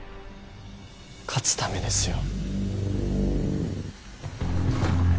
勝つためですよ。